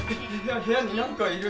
部屋になんかいる！